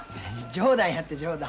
冗談やて冗談。